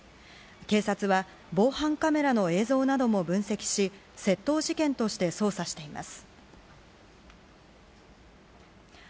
警察は防犯カメラの映像なども分析し窃盗事件として捜査しています。